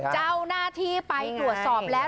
เจ้าหน้าที่ไปตรวจสอบแล้ว